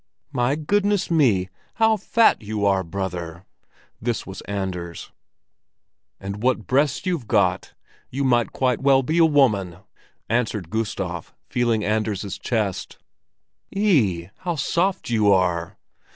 "My goodness me, how fat you are, brother!" This was Anders. "And what breasts you've got! You might quite well be a woman," answered Gustav, feeling Anders' chest. "Eeh, how soft you are!"